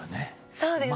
そうですね！